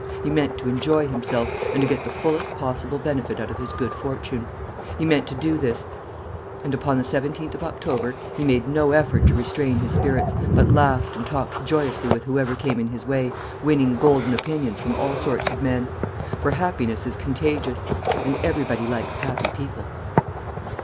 He meant to enjoy himself, and to get the fullest possible benefit out of his good fortune. He meant to do this; and upon the 17th of October he made no effort to restrain his spirits, but laughed and talked joyously with whoever came in his way, winning golden opinions from all sorts of men; for happiness is contagious, and everybody likes happy people.